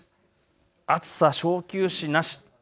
暑さ、小休止なし。